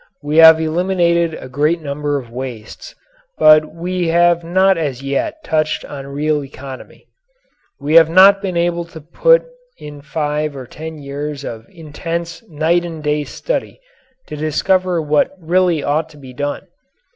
We have eliminated a great number of wastes, but we have not as yet touched on real economy. We have not yet been able to put in five or ten years of intense night and day study to discover what really ought to be done.